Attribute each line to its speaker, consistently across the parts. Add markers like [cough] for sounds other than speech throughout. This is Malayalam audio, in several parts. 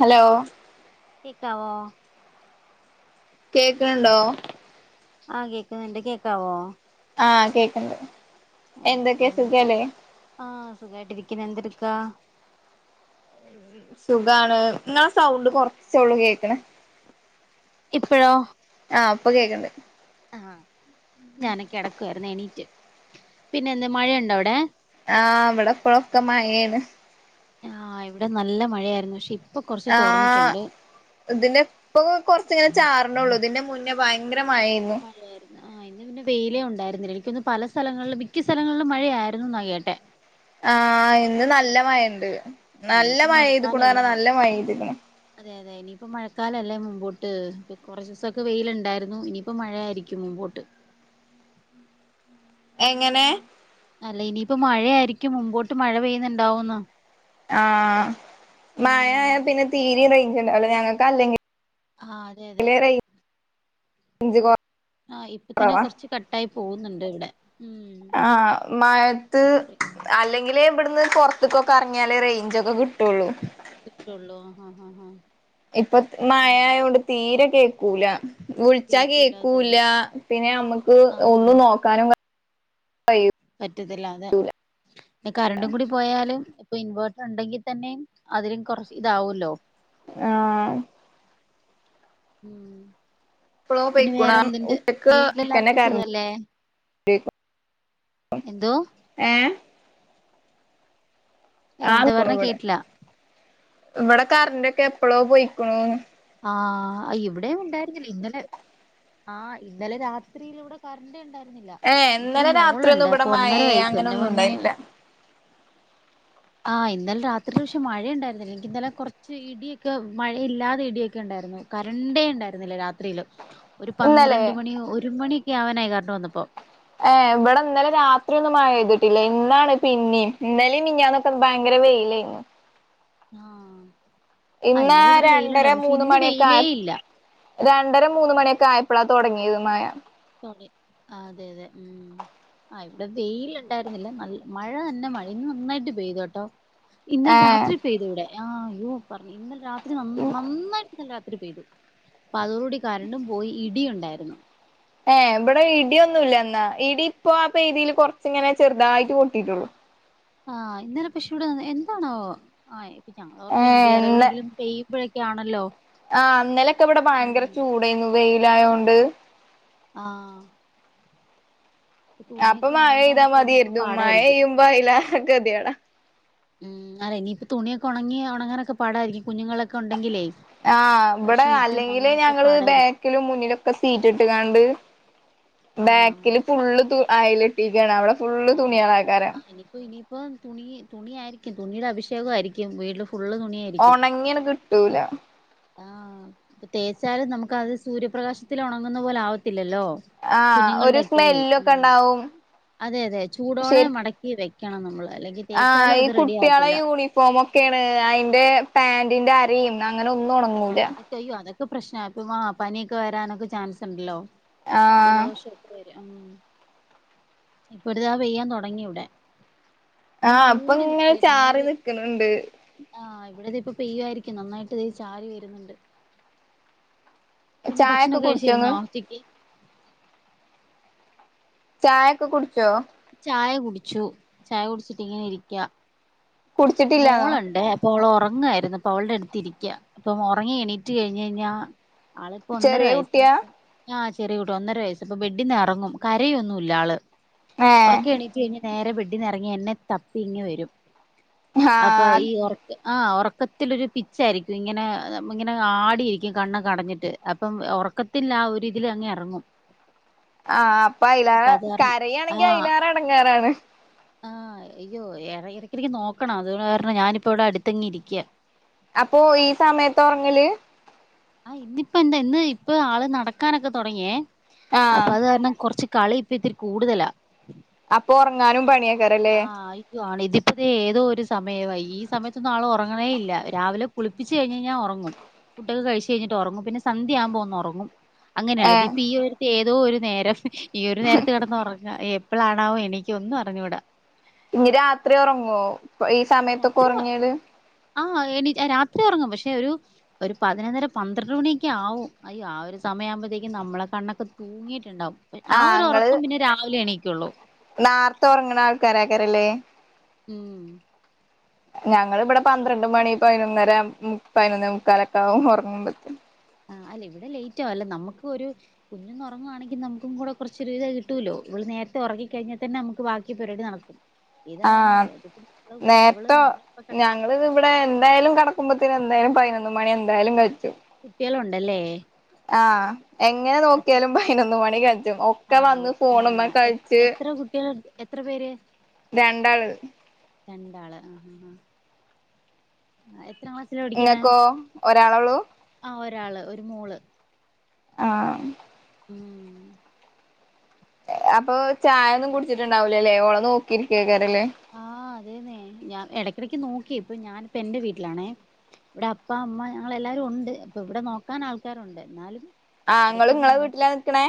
Speaker 1: ഹലോ?
Speaker 2: കേക്കാവോ?
Speaker 1: കേക്ക് ഉണ്ടോ
Speaker 2: ആഹ് കേക്ണിണ്ട് കേക്കാവോ?
Speaker 1: ആഹ് കേക്ക്ണ്ട്
Speaker 2: ഓ ക്കെണ്ട് ആഹ് സുഖായ്ട്ടിരിക്കുന്ന് എന്തെടുക്കാ?
Speaker 1: സുഖാണ് ഇങ്ങളെ സൗണ്ട് കൊർച്ചൊള്ളൂ കേക്ക്ണേ
Speaker 2: ഇപ്പഴോ?
Speaker 1: ആഹ് ഇപ്പൊ കേക്ണ്ട്
Speaker 2: ആഹ് ഞാനെ കിടക്കുകയായിരുന്നു എണീറ്റ് പിന്നെ എന്ത് മഴയുണ്ടോ അവിടെ?
Speaker 1: ആഹ് വടെ ഇപ്പളൊക്കെ മയേണ്
Speaker 2: ആഹ് ഇവിടെ നല്ല മഴയായിരുന്നു പക്ഷെ ഇപ്പൊ കൊർച്ച് തോർന്നിട്ടിണ്ട്
Speaker 1: ഇതിന് ഇപ്പൊ കൊർച്ചിങ്ങനെ ചാർണൊള്ളൂ ഇതിന്റെ മുന്നേ ഭയങ്കരമയേന്നു.
Speaker 2: മയാര്ന്നു ആഹ് ഇന്ന് പിന്നെ വെയിലേ ഉണ്ടായ്രുന്നില്ല. എനിക്കൊന്ന് പല സ്ഥലങ്ങളിലും മിക്ക സ്ഥലങ്ങളിലും മഴയായിരുന്നൂന്ന കേട്ടെ.
Speaker 1: ആഹ് ഇന്ന് നല്ല മഴണ്ട്
Speaker 2: ആഹ്
Speaker 1: നല്ല
Speaker 2: ഇനിയിപ്പോ
Speaker 1: മഴയ്തിക്ക്ണൂ
Speaker 2: മഴക്കാലല്ലേ
Speaker 1: ന്ന് നല്ല മഴയ്തിക്കിണ്
Speaker 2: അതെ അതെ ഇനിയിപ്പ മഴക്കാലല്ലേ മുമ്പോട്ട് ഇപ്പൊ കുറച്ചൊക്കെ വെയിലുണ്ടായ്ര്ന്നു ഇനി ഇപ്പം മഴയായിരിക്കും മുമ്പോട്ട്
Speaker 1: എങ്ങനെ?
Speaker 2: അല്ല ഇനിയിപ്പോ മഴയായിരിക്കും മുമ്പോട്ട് മഴ പെയ്യുന്നുണ്ടാവൂന്ന്
Speaker 1: ആഹ്
Speaker 2: ഉം
Speaker 1: മഴയാപിന്നെ തീരിം റെയ്ഞ്ചിണ്ടാവൂല ഞങ്ങക്കല്ലെങ്കി
Speaker 2: ആഹ് അതെ അതെ
Speaker 1: പിന്നെറൈ റെയിഞ്ച് കുറ
Speaker 2: ആഹ് ഇപ്പ തന്നെ
Speaker 1: കുറവാ
Speaker 2: കൊറച്ച് കട്ടായി പോകുന്നുണ്ട് ഇവിടെ ഉം
Speaker 1: ആഹ് മഴത്ത് അല്ലെങ്കിലേ ബിട്ന്ന് പൊർത്ത്ക്കൊക്കെ ഇറങ്ങിയാലേ റേയ്ഞ്ചൊക്കെ കിട്ടൊള്ളൂ
Speaker 2: കിട്ടൊള്ളൂ ഹാ ഹാ ഹാ
Speaker 1: ഇപ്പ മഴയൊണ്ട് തീരെ കേക്കൂല വിളിച്ച
Speaker 2: കേക്കൂല അതെ
Speaker 1: കേക്കൂല്ല
Speaker 2: അതെ
Speaker 1: പിന്നെ അമ്മക്ക്
Speaker 2: ആഹ്
Speaker 1: ഒന്നും നോക്കാനും ക
Speaker 2: പറ്റത്തില്ല അതേ പിന്നെ കറണ്ടും കൂടി പോയാലും ഇപ്പൊ ഇൻവേർട്ടർ ണ്ടെങ്കിതന്നെ അതിലും കൊറച്ച് ഇതാവോല്ലോ
Speaker 1: ആഹ്
Speaker 2: ഉം [unintelligible]
Speaker 1: എപ്പളോ
Speaker 2: പിന്നെ
Speaker 1: പൊയ്ക്കുണു ആഹ്
Speaker 2: വേറെന്ത്ണ്ട്
Speaker 1: ഉച്ചക്ക് ക്കന്നെ
Speaker 2: വീട്ടിലെല്ലാർക്കും
Speaker 1: കറണ്ട്
Speaker 2: സുഖല്ലേ?
Speaker 1: പോയിക്കും
Speaker 2: എന്തോ?
Speaker 1: ഏഹ് ആ
Speaker 2: എന്താ
Speaker 1: ന്ക്ക്ണു
Speaker 2: പറഞ്ഞെ
Speaker 1: ഇവടെ
Speaker 2: കേട്ടില്ല
Speaker 1: ഇവടെ കറന്റൊക്കെ എപ്പളോ പോയിക്ക്ണു
Speaker 2: ആഹ് ഇവിടെയും ഉണ്ടായിരുന്നില്ല ഇന്നലെ ആഹ് ഇന്നലെ രാത്രി ഇവിടെ കറണ്ട് ഉണ്ടായിരുന്നില്ല
Speaker 1: ഏഹ്
Speaker 2: ര്ന്നില്ല എനിക്കൊരു
Speaker 1: ഇന്നലെ രാത്രിയൊന്നും
Speaker 2: മോള്ണ്ട്
Speaker 1: ഇവിടെ
Speaker 2: അപ്പൊന്നര
Speaker 1: മഴേ
Speaker 2: വയസ് എന്റെ
Speaker 1: അങ്ങനൊന്നും
Speaker 2: പൊന്നെ
Speaker 1: ഉണ്ടായിട്ടില്ല
Speaker 2: ആഹ് ഇന്നലെ രാത്രില് പക്ഷെ മഴയ്ണ്ടായിരുന്നില്ല എനിക്ക്ന്നലെ കൊറച്ച് ഇടിയൊക്കെ മഴയില്ലാതെ ഇടിയൊക്കെയ്ണ്ടായിരുന്നു കരണ്ടേ ഇണ്ടായിരുന്നില്ല രാത്രിയില് ഒരു
Speaker 1: ഇന്നലെ
Speaker 2: പന്ത്രണ്ട് മണി ഒരു മണിയൊക്കെയാവാനായി കറണ്ട് വന്നപ്പോ
Speaker 1: ഏഹ് ഇവിടെ ഇന്നലെ രാത്രിയൊന്നും മഴപെയ്തിട്ടില്ല ഇന്നാണ് പിന്നെയും ഇന്നലേം മിനിഞ്ഞാന്ന് ഒക്കെ ഭയങ്കര വെയിലായിരുന്നു
Speaker 2: ആഹ് ആ
Speaker 1: ഇന്നാ
Speaker 2: ഇന്നലെ ഇവിടെ
Speaker 1: രണ്ടര
Speaker 2: വെയിലുണ്ടായിരുന്നു പക്ഷെ
Speaker 1: മൂന്ന്
Speaker 2: ഇന്ന്
Speaker 1: മണിയൊക്കെ ആയ
Speaker 2: വെയിലേ ഇല്ല
Speaker 1: രണ്ടര മൂന്ന് മണിയൊക്കായപ്പളാ തൊടങ്ങിയത് മഴ
Speaker 2: തൊട അതെയതെ മ്. ആഹ് ഇവിടെ വെയില്ണ്ടായിര്ന്നില്ല ന മഴ തന്നെ മഴ ഇന്ന് നന്നായിട്ട് പെയ്തുട്ടോ. ഇന്നലെ
Speaker 1: ഏഹ്
Speaker 2: രാത്രി പെയ്തുവ്ടെ ആഹ് അയ്യോ പർഞ്ഞു ഇന്നലെ രാ ത്രി നന്നായിട്ട്ന്നലെ രാത്രി പെയ്തു അപ്പൊ അതോടുകൂടി കരണ്ടും പോയി ഇടിയുണ്ടായിരുന്നു.
Speaker 1: ഏഹ് ഇവടെ ഇടിയൊന്നുല്ലെന്നാ ഇടിയിപ്പോ ആ പെയ്തേല് കൊർച്ചിങ്ങനെ ചെർതായിട്ട് പൊട്ടിയിട്ടൊള്ളൂ.
Speaker 2: ആഹ് ഇന്നലെ പക്ഷെ ഇവിടെ എന്താണാവോ ആഹ് [unintelligible]
Speaker 1: ഏഹ്
Speaker 2: വേറെ
Speaker 1: ഇന്ന
Speaker 2: എവിടെയെങ്കിലും പെയ്യുമ്പഴൊക്കെയാണല്ലോ.
Speaker 1: ആഹ് ഇന്നലെക്കെ ഇവിടെ ഭയങ്കര ചൂടേന്നു വെയിലായോണ്ട്.
Speaker 2: ആഹ്
Speaker 1: അപ്പൊ
Speaker 2: തുണിയൊക്കെ
Speaker 1: മയയ്താ
Speaker 2: ഉണങ്ങാനൊക്കെ ഇനിയിപ്പ
Speaker 1: മത്യാര്ന്നു മഴ
Speaker 2: പാടായിരിക്കും
Speaker 1: പെയ്യുമ്പോ അയ്ലേറെ കെത്യേടാ.
Speaker 2: മ് അല്ല ഇനിയിപ്പൊ തുണിയൊക്കെ ഒണങ്ങി ഒണങ്ങാനൊക്കെ പാടായിരിക്കും കുഞ്ഞുങ്ങളൊക്കെ ഉണ്ടെങ്കിലേ
Speaker 1: ആഹ് ഇവടെ
Speaker 2: ഷീറ്റും
Speaker 1: അല്ലെങ്കിലേ
Speaker 2: അങ്ങനെയൊക്കെ
Speaker 1: ഞങ്ങള്
Speaker 2: പാടായിരിക്കും
Speaker 1: ബേക്കിലും മുന്നിലൊക്കെ സീറ്റ്ട്ട്കാണ്ട്
Speaker 2: ആഹ്
Speaker 1: ബാക്കില് ഫുള്ള് തു അയലെട്ടിക്കാണ് അവിടെ ഫുള്ള് തുണ്യാളയ്ക്കാരം.
Speaker 2: ഇനിപ്പൊ ഇനി പ്പം തുണി തുണിയായിരിക്കും തുണിടെ അഭിഷേകായിരിക്കും വീട്ടില് ഫു ഫുള്ള് തുണിയാ
Speaker 1: ഒണങ്ങ്യാ ണ്‌ കിട്ടൂല.
Speaker 2: ആഹ് ഇപ്പ തേച്ചാലും നമുക്ക് അത് സൂര്യപ്രകാശത്തിലൊണങ്ങുന്ന പോലാവത്തില്ലല്ലോ.
Speaker 1: ആഹ് ഒരു
Speaker 2: കുഞ്ഞുങ്ങൾടൊക്കെ മ്
Speaker 1: സ്മെല്ലൊക്കെ ഇണ്ടാവും
Speaker 2: അതെയതെ ചൂടോടെ
Speaker 1: ശരി
Speaker 2: മട ക്കി വെക്കണം നമ്മള് അലല്ലെ
Speaker 1: ആഹ് ഈ കുട്ട്യളെ യൂണി ഫോമൊക്കെണ് അയ്ന്റെ പാന്റിന്റെ അരിംഅങ്ങനെ ഒന്നും
Speaker 2: ആ
Speaker 1: ഒണങ്ങൂല.
Speaker 2: അതൊക്കെ അയ്യോ അതൊക്കെ പ്രശ്നാ ഇപ്പ പനിയൊക്കെ വരാനൊക്കെ ചാൻസ്ണ്ടല്ലോ.
Speaker 1: ആഹ്
Speaker 2: ജലദോഷഒക്കെ വരും മ്. ഇപ്പൊര്താ പെയ്യാൻ തൊടങ്ങി ഇവ്ടെ.
Speaker 1: ആഹ് ഇപ്പങ്ങനെ ചാറി നിക്ക്ണ്ണ്ണ്ട്.
Speaker 2: ആഹ് ഇവിടെ ഇത്പ്പൊ പെയ്യയിരിക്കും നന്നായിട്ട് ഇത് ചാറി വരുന്നുണ്ട്. പിന്നെ
Speaker 1: ചായൊക്കെ
Speaker 2: ഭക്ഷണൊക്കെ
Speaker 1: കുടിച്ചോ
Speaker 2: കഴിച്ചിരുന്നോ
Speaker 1: ഇങ്ങള്
Speaker 2: ഉച്ചക്ക്?
Speaker 1: ചായൊക്കെ കുടിച്ചോ?
Speaker 2: ചായ കുടിച്ചു ചായ കുടിച്ചിട്ടിങ്ങനെ ഇരിക്ക.
Speaker 1: കുടിച്ചിട്ടില്ലാന്നോ
Speaker 2: മോള്ണ്ട് അപ്പൊ അവള് ഒറങ്ങ യിര്ന്നു അപ്പവളട്ത്തിരിക്ക്യാ അപ്പൊ ഒറങ്ങി എണീറ്റ് കഴിഞ്ഞഴിഞ്ഞാ ആളിപ്പൊന്നര
Speaker 1: ചെറിയ കുട്ടിയാ
Speaker 2: വയസാണ്ട് ആഹ് ചെറിയ കുട്ട്യാ ഒന്നര വയസ്സ്പ്പൊ ബെഡിന്നെറങ്ങും കരയൊന്നുല്ലാള്
Speaker 1: ഏഹ്
Speaker 2: ഒറക്കെണീറ്റ് കഴിഞ്ഞ നേരെ ബെഡിന്നെറങ്ങി എന്നെ തപ്പി ഇങ്ങ് വരും അപ്പൊ
Speaker 1: ആഹ്
Speaker 2: ഈ ഒറ ആഹ് ഒറക്കത്തിലൊരു പിച്ചായിരിക്കും ഇങ്ങനെ ഇങ്ങനെ ആടിയിരിക്കും കണ്ണൊക്കടഞ്ഞിട്ട് അപ്പം ഒറക്ക ത്തിൽ ആ ഒരിതിലങ്ങെറങ്ങും.
Speaker 1: ആഹ് അപ്പ അയ്ലേ കരയാണെങ്കി
Speaker 2: ആഹ്
Speaker 1: അയ്ലേറെടങ്ങേറാണ്.
Speaker 2: ആഹ് അയ്യോ എറ എടക്കെടക്ക് നോക്കണം അതുകാരണം ഞാനിപ്പൊ ഇവടെ അടുത്തെഞ്ഞിരിക്ക്യാ.
Speaker 1: അപ്പോ ഈ സമയത്തൊറങ്ങല്?
Speaker 2: ആ ഇന്നിപ്പോ എന്താ ഇന്ന് ഇപ്പൊ ആള് നടക്കാനൊക്കെ തൊടങ്യേ
Speaker 1: ആഹ്
Speaker 2: അപ്പൊ അത് കാരണം കൊർച്ച് കളി ഇപ്പൊ ഇത്ത് രി കൂടുതലാ.
Speaker 1: അപ്പൊ ഒർങ്ങാനും പണ്യാ
Speaker 2: ആഹ് ആയി ആണ് ഇതിപ്പഴെ ഏതോ ഒരു സമയമായി ഈ സമയത്തൊന്നും ആൾ ഉറങ്ങണേ ഇല്ല രാവിലെ കുളിപ്പിച്ച് കഴിഞ്ഞഴിഞ്ഞാ ഒറങ്ങും. ഫുഡ്ഡൊക്കെ കഴിച്ച് കഴിഞ്ഞിട്ട് ഒറങ്ങും പിന്നെ സന്ധ്യാവുമ്പോ ഒന്ന് ഒറങ്ങും. അങ്ങനാണ്
Speaker 1: ഏഹ്
Speaker 2: ഇതിപ്പൊ ഈ ഒരുര്ത്ത് ഏതോ ഒരു നേരം ഈ ഒരു നേരത്ത് കെടന്ന് ഒറങ്ങ എപ്പളാണാവോ എണീക്കാ ഒന്നും അറിഞ്ഞൂടാ.
Speaker 1: ഇഞ്ഞി രാത്രി ഒറങ്ങോ ഈ സമയത്തൊക്കെ
Speaker 2: രാത്രി
Speaker 1: ഒറങ്യാല്.
Speaker 2: ആഹ് എനി രാത്രി ഒറങ്ങും പക്ഷെ ഒരു ഒരു പതിനൊന്നര പന്ത്രണ്ട് മണിയൊക്കെ ആവും അയ്യോ ആ ഒരു സമയാവുമ്പോഴത്തേക്കും നമ്മളെ കണ്ണൊക്കെ തൂങ്ങിയിട്ടുണ്ടാവും. ആ ഒരൊറക്കം പിന്നെ രാവിലെ എണീക്കൊള്ളൂ.
Speaker 1: നാർത്ത ഒറങ്ങ്ണ ആൾക്കാരെയ്ക്കാരല്ലേ.
Speaker 2: ഉം
Speaker 1: ഞങ്ങള് വ്ടെ പന്ത്രണ്ട് മണി പതിനൊന്നര പതിനൊന്നേ മുക്കാലൊക്ക ആവും ഓറങ്ങുമ്പോത്തിന്.
Speaker 2: ആഹ് അല്ല ഇവിടെ ലേറ്റ് ആവും അല്ല നമുക്ക് ഒരു കുഞ്ഞൊന്ന് ഒറങ്ങുവാണെങ്കി നമുക്കും കൂടെ കൊറച്ച് ഒരുരിത കിട്ടോല്ലോ ഇവൾ നേരത്തെ ഒറങ്ങികഴിഞ്ഞാ തന്നെ നമുക്ക് ബാക്കി പരിപാടി നട
Speaker 1: ആഹ്
Speaker 2: ഇതതൊന്നുംല്ല ഇതിപ്പ നമ്മള് കൂടെ അവള് നമ്മള് എപ്പ കെടക്
Speaker 1: ഇവ്ടെ എന്തായാലും കടക്കുമ്പത്തന് എന്തായാലും പതിനൊന്ന് മണി എന്തായാലും കജ്ജും.
Speaker 2: കുട്ട്യാളുണ്ടല്ലേ.
Speaker 1: ആഹ് എങ്ങനെ നോക്ക്യാലും പതിനൊന്ന് മണി കജ്ജും ഒക്കെ
Speaker 2: ആവോ
Speaker 1: വന്ന്
Speaker 2: ആ
Speaker 1: ഫോണ്‌മ്മെ കൾച്ച്
Speaker 2: എത്ര കുട്ട്യാള്ണ്ട്‌ എത്ര പേര്
Speaker 1: രണ്ടാള്
Speaker 2: രണ്ടാള് ആഹ് ആഹ് എത്ര ക്ലാസ് സ്സ്ലാ പഠിക്കുന്നെ
Speaker 1: ഇങ്ങക്കോ ഒരാളൊള്ളൂ
Speaker 2: ആ ഒരാള് ഒരു മോള്.
Speaker 1: ആഹ്
Speaker 2: ഉം
Speaker 1: അപ്പൊ ചായ ഒന്നും കുടിച്ചിട്ടുണ്ടാവുലല്ലേ ഓളെ നോക്കിയിരിക്കെയ്ക്കാരല്ലേ.
Speaker 2: ആഹ് അതേന്നെ ഞാ എടക്കിടക്ക് നോക്കി ഇപ്പൊ ഞാനിപ്പൊ എന്റെ വീട്ടിലാണേ ഇവ്ടെ അപ്പ അമ്മ ഞങ്ങളെല്ലാരും ഒണ്ട് അപ്പൊ ഇവിടെ നോക്കാനാൾക്കാരുണ്ട് എന്നാലും.
Speaker 1: ആഹ് ഇങ്ങള്
Speaker 2: എടയ്ക്കൊന്ന്
Speaker 1: ഇങ്ങളെ
Speaker 2: നോക്കും.
Speaker 1: വീട്ടിലാ നിക്കണേ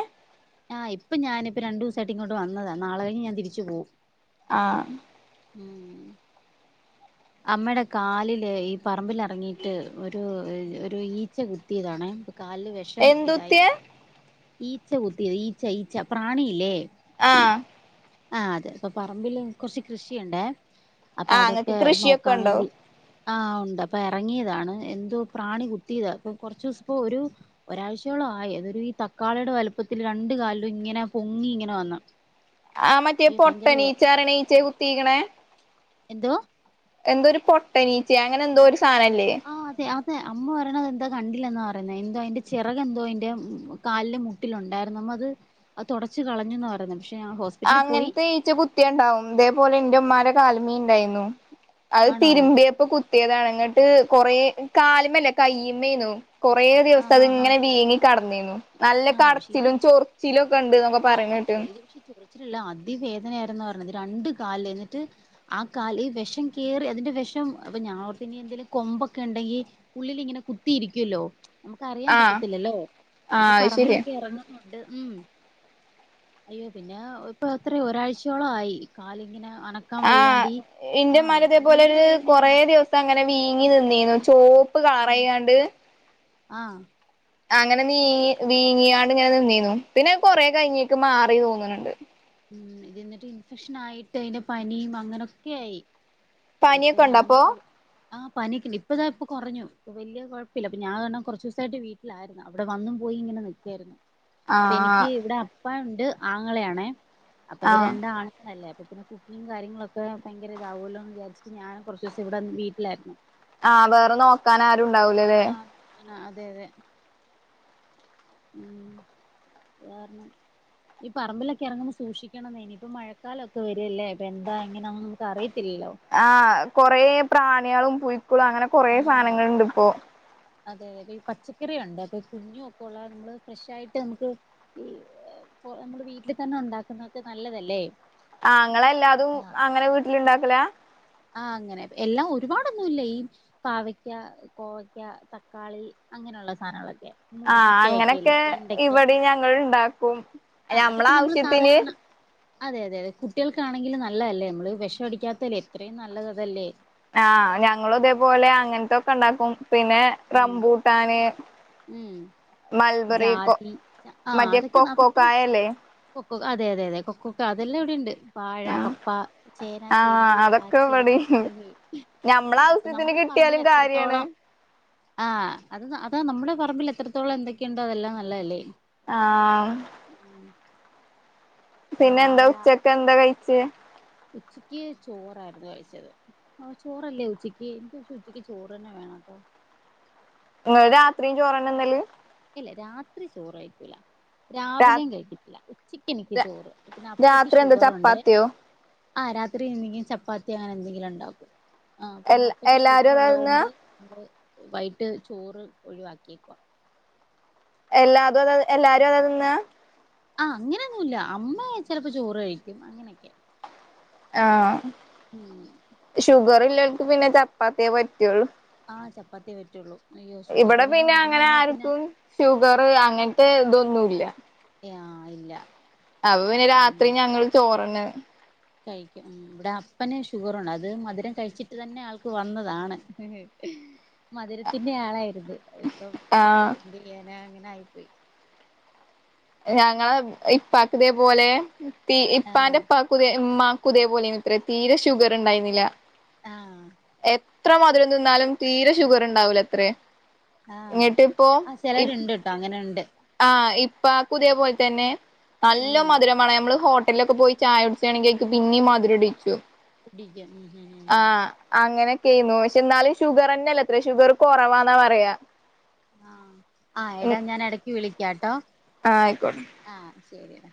Speaker 2: ആഹ് ഇപ്പം ഞാനിപ്പോ രണ്ടൂസായിട്ട് ഇങ്ങോട്ട് വന്നതാ നാളെഴിഞ് ഞാൻ തിരിച്ച് പോവും.
Speaker 1: ആഹ്
Speaker 2: ഉം അമ്മേടെ കാലിലെ ഈ പറമ്പിലിറങ്ങിയിട്ട് ഒരു ഒരു ഈ ച്ച കുത്തിയതാണെ അപ്പൊ കാലില് വെഷം ഇതായി.
Speaker 1: എന്തുത്തിയെ
Speaker 2: ഈച്ച കുത്തിയത് ഈച്ച ഈച്ച പ്രാണിയില്ലേ.
Speaker 1: ആഹ്
Speaker 2: ആ അതെ അപ്പൊ പറമ്പില് കൊറച്ച് കൃഷിയുണ്ടേ അപ്പൊ
Speaker 1: ആഹ് ഇങ്ങക്ക്
Speaker 2: അതൊക്കെ
Speaker 1: കൃഷിയൊക്കെ
Speaker 2: നോക്കാം
Speaker 1: ഉണ്ടോ
Speaker 2: വേണ്ടി ആഹ് ഉണ്ട് അപ്പൊ എറങ്ങിയതാണ് എന്തോ പ്രാണി കുത്തിയതാ അപ്പൊ കൊറച്ചൂസം ഇപ്പൊ ഒരു ഒരാഴ്ചയോളം ആയി അതൊരു ഈ തക്കാളിയുടെ വലുപ്പത്തില് രണ്ട്‌ കാലിലും ഇങ്ങനെ പൊങ്ങി ഇങ്ങനെ വന്നു.
Speaker 1: ആ മറ്റേ പൊട്ടനീച്ച റീണഈച്ചെ കുത്തീക്ക്‌ണെ.
Speaker 2: എന്തോ
Speaker 1: എന്തോ ഒരു പൊട്ടനീച്ചേ അങ്ങനെ എന്തോ ഒരു സാനംല്ലേ.
Speaker 2: ആ അതെ അതെ അമ്മ പറീണത് എന്തൊ കണ്ടില്ലെന്നാ പറീണത് എന്തോ അതിന്റെ ചെറകെന്തോ അതിന്റെ കാലിലെ മുട്ടിലുണ്ടായിരുന്നു അമ്മ ത് അത് തൊടച്ച് കളഞ്ഞൂന്നാ പറയുന്നെ പക്ഷെ ആ ഹോസ്
Speaker 1: അങ്ങനത്തെ ഈച്ച കുത്തിയാണ്ടാവും ഇതേപോലെ ഇന്റെ ഇമ്മാന്റെ കാല് മ്മീണ്ടേയ്ന്നു. അത്
Speaker 2: ആണോ
Speaker 1: തിരുമ്പീയെപ്പോ കുത്തിയതാണ് ഇന്ന്ട്ട് കൊറേ കാല്മല്ല കയ്യ്മ്മേയ്ന്നു. കൊറേ ദിവസം
Speaker 2: ആഹ്
Speaker 1: അത്
Speaker 2: ആഹ്
Speaker 1: ഇങ്ങനെ വീങ്ങി കടന്നീന്നു. നല്ല
Speaker 2: ആഹ് ആഹ് പക്ഷെ ഇത്
Speaker 1: കടച്ചിലും ചൊറിച്ചിലും ഒക്കെ ഇണ്ട് എന്നൊക്കെ പരിണേ കേട്ടു
Speaker 2: [inaudible] വെച്ചിരില്ല അതി വേദനായിരുന്നു പറഞ്ഞത് രണ്ട് കാല എന്നിട്ട് ആ കാല് ഈ വിഷം കേറി അതിന്റെ വിഷം അപ്പൊ ഞാൻ ഓർത്തു ഇനി എന്തെങ്കിലും കൊമ്പൊക്കെ ഉണ്ടെങ്കിൽ ഉള്ളിലിങ്ങനെ കുത്തിയിരിക്കുവല്ലോ നമുക്ക് അറിയാൻ
Speaker 1: ആഹ്
Speaker 2: പറ്റത്തില്ലല്ലോ
Speaker 1: ആഹ്
Speaker 2: ഇതിപ്പോ
Speaker 1: അത് ശരിയാ
Speaker 2: പറമ്പിലൊക്കെ ഇറങ്ങുന്നുണ്ട് ഉം അയ്യോ പിന്നെ ഇപ്പൊ അത്ര ഒരാഴ്ചയോളം ആയി കാലിങ്ങനെ അന
Speaker 1: ആഹ് ഇന്റെ ഇമ്മന്റെ ഇതേപോലെ ഒര്
Speaker 2: വേദനയാന്ന്
Speaker 1: കൊറേ ദിവസ സങ്ങനെ വീങ്ങി നിന്നിനു ചോപ്പ്
Speaker 2: ഉം
Speaker 1: കളറായിണ്ടാണ്ട്
Speaker 2: ആഹ്
Speaker 1: അങ്ങനെ നീങ്ങി വീങ്ങിയാണ്ട് ഇങ്ങനെ നിന്നീന്നു പിന്നെ കൊറെ കഴിഞ്ഞേക്ക് മാറി തോന്നുന്നുണ്ട്
Speaker 2: ഉം ഇത് എന്നിട്ട് ഇൻഫെക്ഷൻ ആയിട്ട് അതിന്റെ പനിയും അങ്ങനെക്കെക്കായി
Speaker 1: പാനിയൊക്കെ ഉണ്ടോ അപ്പൊ
Speaker 2: ആഹ് പനിയൊക്കെണ്ട് ഇപ്പൊതാ ഇപ്പ കുറഞ്ഞു ഇപ്പൊ വലിയഴപ്പില്ലപ്പൊ ഞാൻ പറഞ്ഞ കുറച്ച് ദിവസായിട്ട് വീട്ടില അവിടെ വന്നും പോയി ഇങ്ങനെ നിക്കായിരുന്നു ഇപ്പൊ എനിക്ക്
Speaker 1: ആഹ്
Speaker 2: ഇവിടെ അപ്പാ ഇണ്ട് ആങ്ങള ആണെ അപ്പൊ അവര്
Speaker 1: ആഹ്
Speaker 2: രണ്ട് ആണുങ്ങളല്ലേ അപ്പോ പിന്നെ കുക്കിങ് കാര്യങ്ങളൊക്കെ ഭയങ്കര ഇതാവുമല്ലോ എന്ന് വിചാരിച്ചിട്ട് ഞാൻ കൊറച്ചുസം ഇവിടെന്ന് വീട്ടിലായിരുന്നു
Speaker 1: ആഹ് വേറെ നോക്കാൻ ആരുണ്ടാവൂലല്ലേ
Speaker 2: ആഹ് അതെ അതെ ഉം വേർണം ഈ പറമ്പിലൊക്കെ ഇറങ്ങുമ്പോ സൂക്ഷിക്കണംന്നെ ഇനി ഇപ്പൊ മഴക്കാലം ഒക്കെ വരല്ലേ ഇപ്പ എന്താ എങ്ങനെയ ഒന്നും അറിയത്തില്ലല്ലോ
Speaker 1: ആഹ് കൊറേ പ്രാണിയാളും പുഴുക്കളും അങ്ങനെ കൊറേ
Speaker 2: ആഹ്
Speaker 1: സനങ്ങൾ ഇണ്ട് ഇപ്പോ
Speaker 2: അതെ അതെ അപ്പൊ ഈ പച്ചക്കറിയുണ്ട് അപ്പൊ കുഞ്ഞു ഒക്കെ ഉള്ള നമ്മള് ഫ്രഷായിട്ട് നമുക്ക് ഈ ഏഹ് ഇപ്പൊ നമ്മള് വീട്ടിൽ തന്നെ ഉണ്ടാക്കുന്നതൊക്കെ നല്ലതല്ലേ
Speaker 1: ആഹ് ഇങ്ങളല്ലതും
Speaker 2: ആഹ്
Speaker 1: അങ്ങനെ വീട്ടില ഇണ്ടാക്കല
Speaker 2: ആഹ് അങ്ങനെ എല്ലാം ഒരുപാടൊന്നുമല്ല ഈ പാവയ്ക്ക കോവയ്ക്ക തക്കാളി അങ്ങനെയുള്ള സാധനങ്ങളൊക്കെ
Speaker 1: ആഹ്
Speaker 2: മുരിങ്ങക്കയൊക്കെല്ലേ
Speaker 1: അങ്ങനൊക്കെ
Speaker 2: വെണ്ടയ്ക്ക
Speaker 1: ഇവിടെ നങ്ങളും ഇണ്ടാക്കും
Speaker 2: ആഹ്
Speaker 1: ഞമ്മള
Speaker 2: അതൊക്കെ നമ്മള്
Speaker 1: ആവശ്യത്തിന്
Speaker 2: സാധാരണ അതെ അതെ അതെ കുട്ടികൾക്കാണെങ്കിൽ നല്ലതല്ലേ നമ്മള് വേഷടിക്കാതെല്ലേ എത്രയും നല്ലത്തല്ലേ
Speaker 1: ആഹ് ഞങ്ങളും ഇതേപോലെ അങ്ങനത്തൊക്കെ ഇണ്ടാക്കും പിന്നെ
Speaker 2: ഉം
Speaker 1: റംബൂട്ടാന്
Speaker 2: ഉം
Speaker 1: മൽബറി കൊ
Speaker 2: ജാതി ആഹ്
Speaker 1: മറ്റേ
Speaker 2: അതൊക്കെ നമുക്ക് നട്ട്
Speaker 1: കൊക്കോക്കായല്ലേ
Speaker 2: കൊക്ക അതെ അതെ അതെ കൊക്കൊക്ക അതെല്ലാം എവിടെ ഇണ്ട് വാഴ
Speaker 1: ആഹ്
Speaker 2: കപ്പ ചേന ചേമ്പ്
Speaker 1: ആഹ് അതൊക്കെ
Speaker 2: കാച്ചില്
Speaker 1: ഇവിടെണ്ട് ഞമ്മള
Speaker 2: അതൊക്കെ
Speaker 1: ആവശ്യത്തിന്
Speaker 2: നമ്മുടെ പറമ്പില്
Speaker 1: കിട്ടിയാലും കാര്യാണ്
Speaker 2: എത്രത്തോളം ആഹ് അത് അതാ നമ്മുടെ പറമ്പിൽ എത്രത്തോളം എന്തൊക്കെയുണ്ടോ അതെല്ലാം നല്ലതല്ലേ
Speaker 1: ആഹ്
Speaker 2: ഉം.
Speaker 1: പിന്നെ എന്താ
Speaker 2: വാഴ
Speaker 1: ഉച്ചക്ക് എന്താ കഴിച്ചേ
Speaker 2: ഉച്ചക്ക് ചോറായിരുന്നു കഴിച്ചത് ഓഹ് ചോറല്ലേ ഉച്ചയ്ക്ക് എനിക്ക് പക്ഷേ ഉച്ചക്ക് ചോറ്ന്നെ വേണോട്ടോ
Speaker 1: നിങ്ങള് രാത്രിയും ചോറന്നെ തിന്നല്
Speaker 2: ഇല്ല രാത്രി ചോറായിരിക്കൂല
Speaker 1: രാ
Speaker 2: രാവിലെയും കഴിക്കാതില്ല ഉച്ചക്ക് എനിക്ക് ചോറ് പിന്നെ അപ്പക്ക്
Speaker 1: രാത്രി എന്താ
Speaker 2: ഷുഗറുണ്ട്
Speaker 1: ചപ്പാത്തിയോ
Speaker 2: ആഹ് രാത്രി എന്തെങ്കിലും ചപ്പാത്തി അങ്ങനെ എന്തെങ്കിലും ഉണ്ടാക്കും ആഹ് അപ്പം
Speaker 1: എല്ല
Speaker 2: അപ്പയ്ക്ക്
Speaker 1: എല്ലാരും
Speaker 2: ഷുഗർ
Speaker 1: അതാ തിന്നാ
Speaker 2: ഉള്ളത്കൊണ്ട് നമ്മള് വൈകട്ട് ചോറ് ഒഴിവാക്കിയേക്കുവ
Speaker 1: എല്ലാ അതും എല്ലാരും അത നിന്ന്
Speaker 2: ആ അങ്ങനെൊന്നു ഇല്ല അമ്മ ചെലപ്പോ ചോറ് കഴിക്കും അങ്ങനെയൊക്കെ
Speaker 1: ആഹ്
Speaker 2: ഉം
Speaker 1: ഷുഗർ ഇല്ലക്ക് പിന്നെ ചപ്പാത്തിയേ പറ്റുള്ളൂ
Speaker 2: ആഹ് ചപ്പാത്തിയെ പറ്റുള്ളു. അയ്യോ ഷുഗർ
Speaker 1: ഇവിടെ
Speaker 2: പിന്നെ
Speaker 1: അങ്ങനെ
Speaker 2: വന്നഴിഞ്ഞാ പിന്നെ
Speaker 1: ആർക്കും ഷുഗർ അങ്ങൻത്തെ ഇതൊന്നുല്ല.
Speaker 2: യാ ഇല്ല.
Speaker 1: അപ്പൊ പിന്നെ
Speaker 2: ഉം
Speaker 1: രാത്രി ഞങ്ങൾ ചോറെന്നെ
Speaker 2: കഴിക്കും. ഉം ഇവിടെ അപ്പന് ഷുഗറുണ്ട് അത് മധുരം കഴിച്ചിട്ട് തന്നെ ആൾക്ക് വന്നതാണ്. മധുരത്തിന്റെ ആളായിരുന്നു. ഇപ്പൊ
Speaker 1: ആഹ്
Speaker 2: എന്തെയ്യാന അങ്ങനായിപ്പോയി.
Speaker 1: ഞങ്ങള ഇപ്പാക്ക് ഇതേ പോലെ പി
Speaker 2: ആഹ്
Speaker 1: ഇപ്പാന്റെപ്പാ ക്കു ഇമ്മാക്കുതേ പോലെയ്നത്ര തീരെ ഷുഗർ ഇണ്ടായിനില്ല.
Speaker 2: ആഹ്
Speaker 1: എത്ര മധുരം തിന്നാലും തീരെ ഷുഗർ ഉണ്ടാവൂലത്രേ. ന്നിട്ട് ഇപ്പോ ഇ
Speaker 2: ട്ടങ്ങനണ്ട്.
Speaker 1: ആഹ് ഇപ്പാക്കുതേ പോല് തന്നെ നല്ല
Speaker 2: ഉം
Speaker 1: മധുരം മാണം നമ്മള് ഹോട്ടൽലൊക്കെ പോയി ചായയുടിച്ചാണെങ്കിൽ അയ്ക്ക് പിന്നിം മധുരിടീച്ചും.
Speaker 2: കുടിക്ക ഉം ഉം ഉം
Speaker 1: അങ്ങനൊക്കെയ്‌ന്നു പക്ഷെന്നാലും ഷുഗർന്നെല്ലത്ര ഷുഗർ കുറവാന്നാ പറയാ.
Speaker 2: ആഹ് ആ എടാ
Speaker 1: ഉം
Speaker 2: ഞാൻ എടക്ക് വിളിക്കാട്ടോ.
Speaker 1: ആ ആയിക്കോട്ടെ
Speaker 2: ആഹ് ശരിയെടാ.